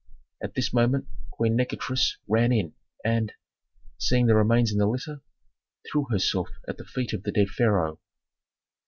At this moment Queen Nikotris ran in, and, seeing the remains in the litter, threw herself at the feet of the dead pharaoh.